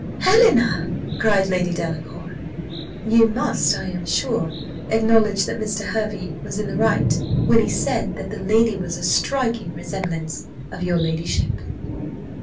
"Helena!" cried Lady Delacour. "You must, I am sure, acknowledge that Mr. Hervey was in the right, when he said that the lady was a striking resemblance of your ladyship."